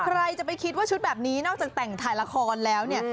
ใครจะไปคิดว่าชุดแบบนี้นอกจากแต่งถ่ายละครแล้วเนี่ย